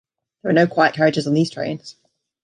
There are no quiet carriages on these trains.